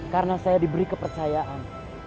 karena saya diberi kepercayaan